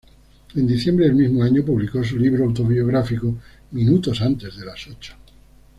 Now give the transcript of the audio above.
En diciembre del mismo año, publicó su libro autobiográfico: "Minutos antes de las ocho".